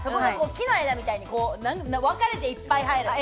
木の枝みたいにわかれて、いっぱいはえる。